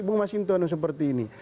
bung mas hinton seperti ini